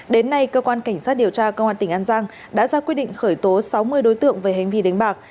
đến nay cơ quan cảnh sát điều tra công an tỉnh an giang đã ra quyết định khởi tố sáu mươi đối tượng về hành vi đánh bạc